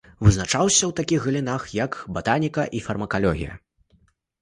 Вызначыўся ў такіх галінах, як батаніка і фармакалогія.